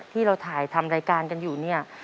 ที่เราถ่ายทำรายการกันอยู่เนี่ย